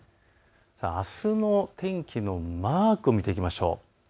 あすの天気のマークを見ていきましょう。